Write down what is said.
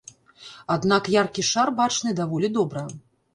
Аднак яркі шар бачны даволі добра.